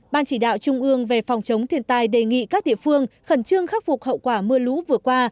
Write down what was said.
ban chỉ đạo trung ương về phòng chống thiên tai đề nghị các địa phương khẩn trương khắc phục hậu quả mưa lũ vừa qua